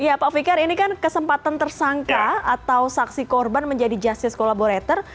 ya pak fikar ini kan kesempatan tersangka atau saksi korban menjadi justice collaborator